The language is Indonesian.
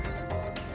nah ini sudah hilang